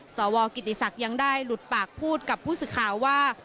สวกิติศักดิ์ยังได้หลุดปากพูดกับผู้สื่อข่าวว่า